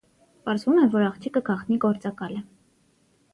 Պարզվում է, որ աղջիկը գաղտնի գործակալ է։